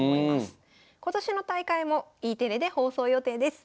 今年の大会もＥテレで放送予定です。